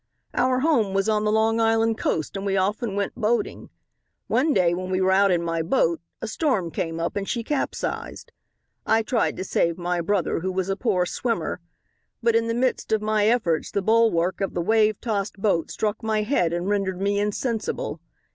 "Our home was on the Long Island coast and we often went boating. One day when we were out in my boat a storm came up and she capsized. I tried to save my brother who was a poor swimmer. But in the midst of my efforts the bulwark of the wave tossed boat struck my head and rendered me insensible.